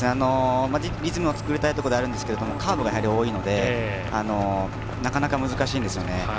リズムを作りたいところではあるんですがカーブが多いのでなかなか難しいんですよね。